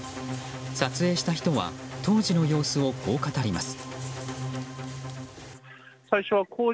撮影した人は当時の様子をこう語ります。